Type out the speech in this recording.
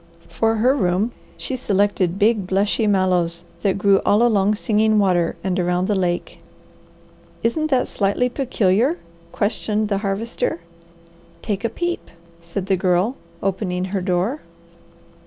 For her room, she selected big, blushy mallows that grew all along Singing Water and around the lake. "Isn't that slightly peculiar?" questioned the Harvester. "Take a peep," said the Girl, opening her door.